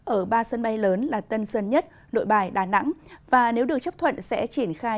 ở ba sân bay lớn là tân sơn nhất nội bài đà nẵng và nếu được chấp thuận sẽ triển khai